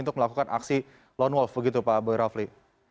untuk melakukan aksi lone wolf begitu pak boy rafli